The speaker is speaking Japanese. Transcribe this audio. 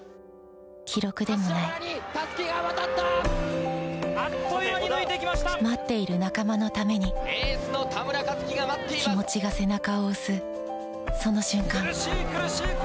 記録でもない待っている仲間のために気持ちが背中を押すその瞬間